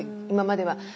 今までは。